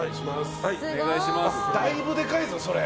だいぶでかいぞ、それ。